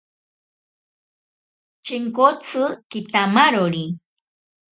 Chenkotsi kitamarori.